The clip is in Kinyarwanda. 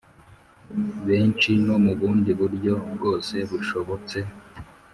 benshi no mu bundi buryo bwose bushobotse